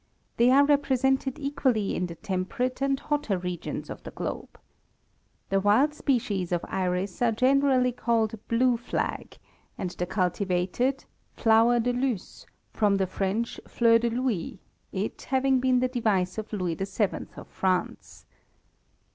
They are represented equally in the temperate and hotter regions of the globe. The wild species of iris are generally called blue flag, and the cultivated flower de luce, from the French fleur de Louis, it having been the device of Louis VII. of France.